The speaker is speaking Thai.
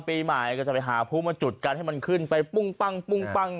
ปีใหม่ก็จะไปหาผู้มาจุดกันให้มันขึ้นไปปุ้งปั้ง